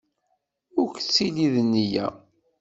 Ur k-ttili d nneyya!